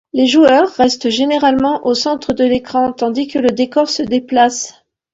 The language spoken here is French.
Les joueurs restent généralement au centre de l'écran, tandis que le décor se déplace.